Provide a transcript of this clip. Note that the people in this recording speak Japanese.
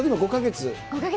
５か月？